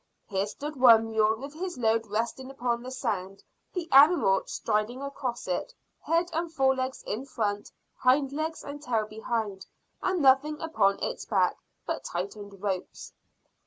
Here stood one mule with his load resting upon the sand, the animal striding across it, head and fore legs in front, hind legs and tail behind, and nothing upon its back but tightened ropes.